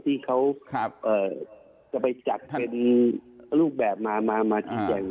ที่เขาจะไปจัดเป็นลูกแบบมาจริง